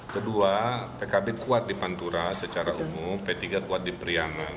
kedua pkb kuat di pantura secara umum p tiga kuat di priaman